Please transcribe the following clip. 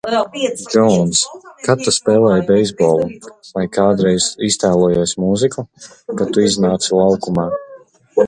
Džouns, kad tu spēlēji beisbolu, vai kādreiz iztēlojies mūziku, kad tu iznāci laukumā?